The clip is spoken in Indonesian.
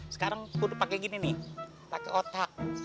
sekarang tuh pake gini nih pake otak